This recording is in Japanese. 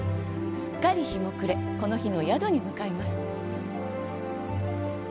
すっかり日も暮れこの日の宿に向かいます。